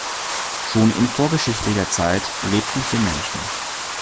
Schon in vorgeschichtlicher Zeit lebten hier Menschen.